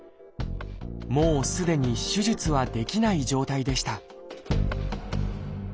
もうすでに手術はできない状態でした